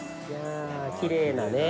きれいなね。